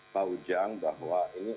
pak ujang bahwa ini